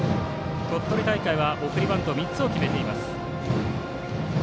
鳥取大会は送りバント３つ決めています。